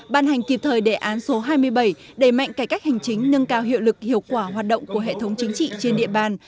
ban hành kịp thời đề án số hai mươi bảy đầy mạnh cải cách hành chính nâng cao hiệu lực hiệu quả hoạt động của hệ thống chính trị trên địa bàn